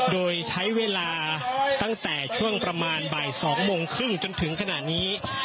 โดยใช้เวลาตั้งแต่ช่วงประมาณบ่าย๒โมงครึ่งจนถึงขณะนี้